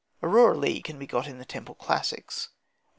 Aurora Leigh can be got in the "Temple Classics" (1s.